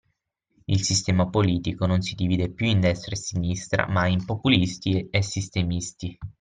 Il sistema politico non si divide più in destra e sinistra, ma in populisti e sistemisti.